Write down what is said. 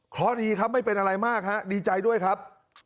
เพราะดีครับไม่เป็นอะไรมากฮะดีใจด้วยครับ